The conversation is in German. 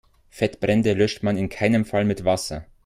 Fettbrände löscht man in keinem Fall mit Wasser.